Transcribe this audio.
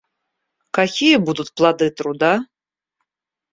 Какие будут плоды труда?